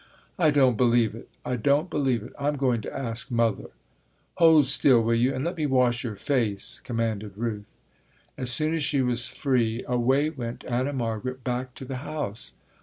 "I don't believe it, I don't believe it. I am going to ask Mother." "Hold still, will you, and let me wash your face," commanded Ruth. As soon as she was free, away went Anna Margaret back to the house.